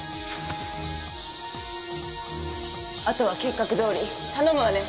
あとは計画どおり頼むわね。